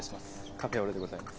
カフェオレでございます。